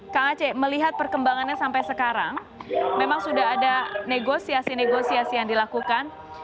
kang aceh melihat perkembangannya sampai sekarang memang sudah ada negosiasi negosiasi yang dilakukan